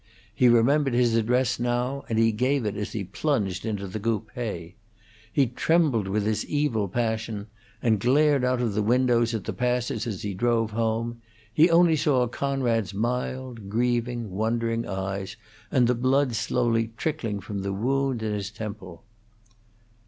He remembered his address now, and he gave it as he plunged into the coupe. He trembled with his evil passion, and glared out of the windows at the passers as he drove home; he only saw Conrad's mild, grieving, wondering eyes, and the blood slowly trickling from the wound in his temple.